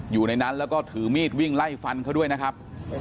อยู่ในนั้นแล้วก็ถือมีดวิ่งไล่ฟันเขาด้วยนะครับ